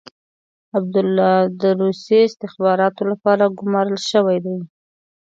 عبدالله د روسي استخباراتو لپاره ګمارل شوی دی.